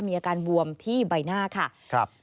มีอาการบวมที่ใบหน้าค่ะครับ